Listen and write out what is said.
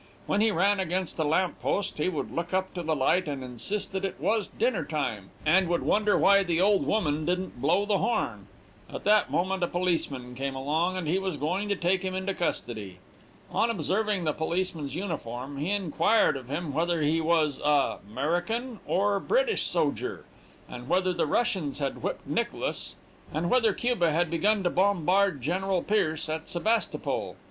When he ran against a lamp post, he would look up to the light and insist that it was dinner time, and would wonder why the old woman didn't blow the horn. At that moment a policeman came along, and was going to take him into custody. On observing the policeman's uniform, he inquired of him whether he was a 'Merican or British soger, and whether the Russians had whipped Nicholas, and whether Cuba had begun to bombard General Pierce at Sebastopol.